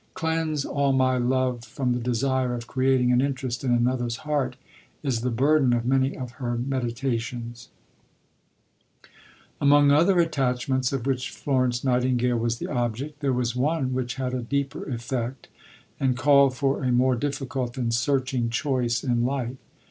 "Cleanse all my love from the desire of creating an interest in another's heart" is the burden of many of her meditations. Suggestions for Thought, vol. ii. p. 401. Among other attachments of which Florence Nightingale was the object, there was one which had a deeper effect and called for a more difficult and searching choice in life.